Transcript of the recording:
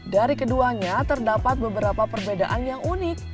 dari keduanya terdapat beberapa perbedaan yang unik